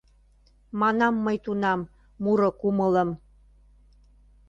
Манам мый тунам: муро кумылым